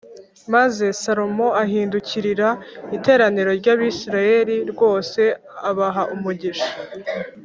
Maze Salomo ahindukirira iteraniro ry’Abisirayeli ryose abaha umugisha